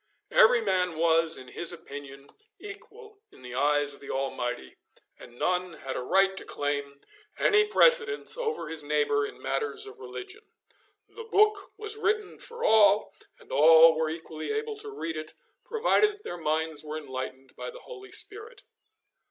Every man was, in his opinion, equal in the eyes of the Almighty, and none had a right to claim any precedence over his neighbour in matters of religion. The book was written for all, and all were equally able to read it, provided that their minds were enlightened by the Holy Spirit.